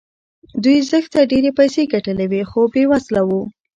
دوی زښته ډېرې پيسې ګټلې وې خو بې وزله وو.